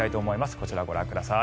こちらをご覧ください。